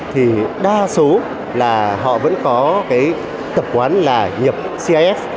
thì đa số là họ vẫn có tập quán là nhập cif